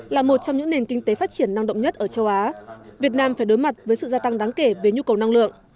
là một trong những nền kinh tế phát triển năng động nhất ở châu á việt nam phải đối mặt với sự gia tăng đáng kể về nhu cầu năng lượng